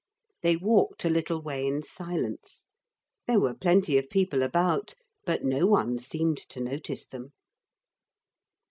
They walked a little way in silence. There were plenty of people about, but no one seemed to notice them.